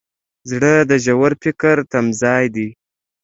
زړه د ژور فکر تمځای دی.